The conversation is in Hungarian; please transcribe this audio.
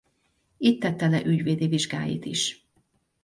Itt tette le ügyvédi vizsgáit is.